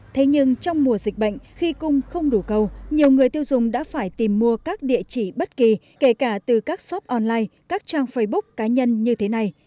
thế nhưng trong mùa dịch bệnh khi cung không đủ câu nhiều người tiêu dùng đã phải tìm mua các địa chỉ bất kỳ kể cả từ các shop online các trang facebook cá nhân như thế này